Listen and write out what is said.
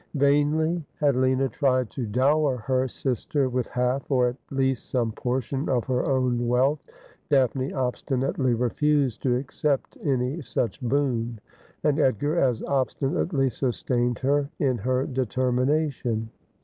Vainly had Lina tried to dower her sister with half, or at least, some portion of her own wealth. Daphne obstinately refused to accept any such boon ; and Edgar as obstinately sustained her in her determination.